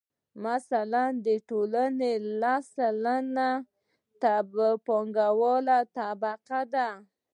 مثلاً د ټولنې لس سلنه یې پانګواله طبقه ده